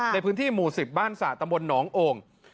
ในพื้นที่หมู่๑๐บ้านสระตำบลหนองโอ่ง